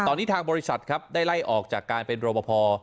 ตอนนี้ทางบริษัทครับได้ไล่ออกจากการเป็นรบพอ